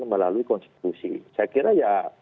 melalui konstitusi saya kira ya